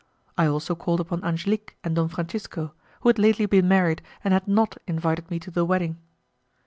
I also called upon Angelique and Don Francisco, who had lately been married and had not invited me to the wedding.